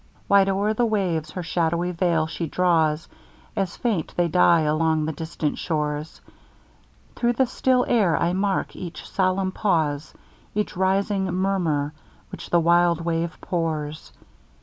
Wide o'er the waves her shadowy veil she draws. As faint they die along the distant shores; Through the still air I mark each solemn pause, Each rising murmur which the wild wave pours.